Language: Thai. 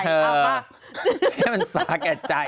ขอให้มันสาแก่ใจ